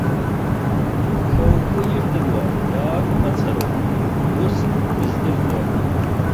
Ьоукы ирдыруа иааг мацароуп, усҭ рыздырӡом.